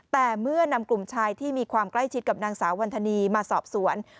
แต่เมื่อนำกลุ่มชายที่มีความใกล้ชิดกับนางสาววันธนีมาสอบสวน